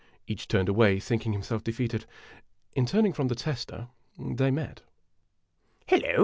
Each turned away, thinking himself defeated. In turning from the tester, they met. "Hallo!'